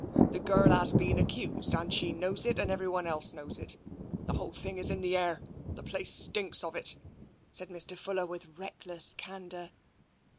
The girl has been accused, and she knows it, and everyone else knows it. The whole thing is in the air. The place stinks of it/' said Mr, Fuller with reckless candour.